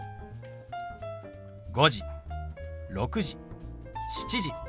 「５時」「６時」「７時」。